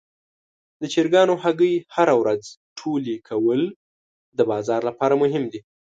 د چرګانو هګۍ هره ورځ ټولې کول د بازار لپاره مهم دي.